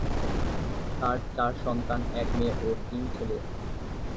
তার চার সন্তান- এক মেয়ে ও তিন ছেলে।